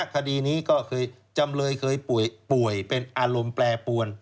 คดีนี้ก็เคยจำเลยเคยป่วยเป็นอารมณ์แปรปวน